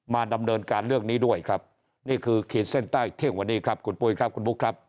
มา๓ำเนินการเรื่องนี้ด้วยครับนี่คือขีดเส้นใต้เที่ยวหน้าครับกุณปุยบุ๊คครับ